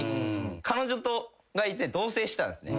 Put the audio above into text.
彼女がいて同棲してたんですね。